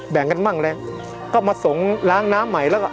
แบ่งกันบ้างเลยมาทรงล้างน้ำใหม่